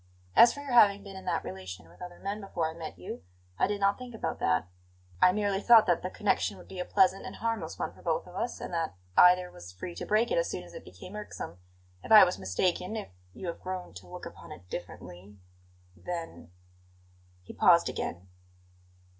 As for your having been in that relation with other men before I met you, I did not think about that. I merely thought that the connexion would be a pleasant and harmless one for both of us, and that either was free to break it as soon as it became irksome. If I was mistaken if you have grown to look upon it differently then " He paused again.